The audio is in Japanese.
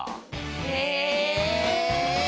へえ。